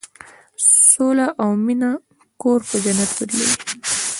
سوله او مینه کور په جنت بدلوي.